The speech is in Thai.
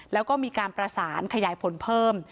แล้วก็มีการประสานขยายผลเพิ่ม